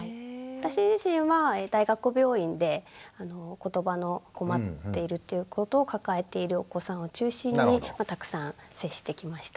私自身は大学病院でことばの困っているっていうことを抱えているお子さんを中心にたくさん接してきました。